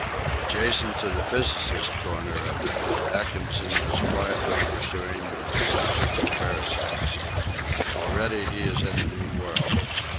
Adjacent to the physicist's corner of the hut Atkinson is quietly pursuing the subject of parasites. Already he is in a new world.